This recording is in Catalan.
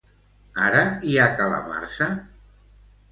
Ara hi ha calamarsa?